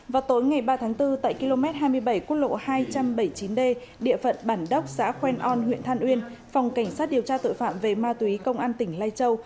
vào tối ngày ba tháng bốn tại km hai mươi bảy quốc lộ hai trăm bảy mươi chín d địa phận bản đốc xã khoe on huyện than uyên phòng cảnh sát điều tra tội phạm về ma túy công an tỉnh lai châu